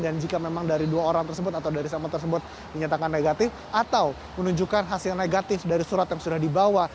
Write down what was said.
dan jika memang dari dua orang tersebut atau dari sampel tersebut dinyatakan negatif atau menunjukkan hasil negatif dari surat yang sudah dibawa